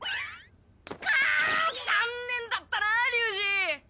カッ残念だったな龍二！